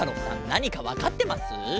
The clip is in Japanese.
なにかわかってます？